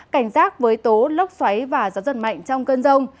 cảnh giác với tố lốc xoáy và gió giật mạnh trong cơn rông